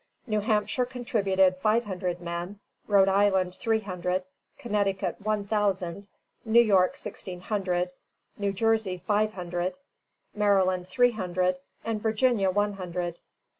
New Hampshire contributed five hundred men, Rhode Island three hundred, Connecticut one thousand, New York sixteen hundred, New Jersey five hundred, Maryland three hundred, and Virginia one hundred.